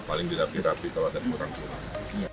paling dilapih lapih kalau ada yang kurang kurang